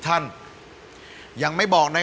แม่บับกันสุดเลยนะครับ